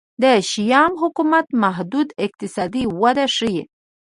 د شیام حکومت محدوده اقتصادي وده ښيي.